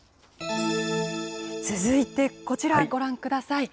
続いてこちらご覧ください。